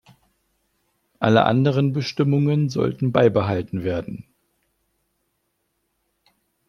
Alle anderen Bestimmungen sollten beibehalten werden.